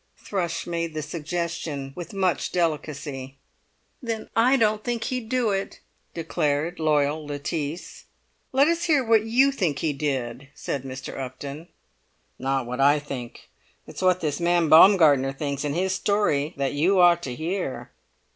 Thrush made the suggestion with much delicacy. "Then I don't think he'd do it," declared loyal Lettice. "Let us hear what you think he did," said Mr. Upton. "It's not what I think; it's what this man Baumgartner thinks, and his story that you ought to hear."